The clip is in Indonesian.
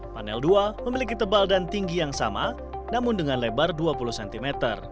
panel dua memiliki tebal dan tinggi yang sama namun dengan lebar dua puluh cm